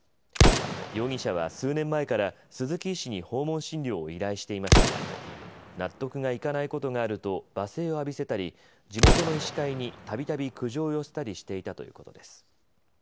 容疑者は数年前から、鈴木医師に訪問診療を依頼していましたが納得がいかないことがあると罵声を浴びせたり地元の医師会にたびたび苦情を寄せたりしていたということです。